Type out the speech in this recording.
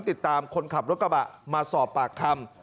ติดตามคนขับรถกระบะมาสอบปากคำ